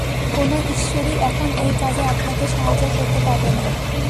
কোনো ঈশ্বরই এখন এই কাজে আপনাকে সাহায্য করতে পারবে না।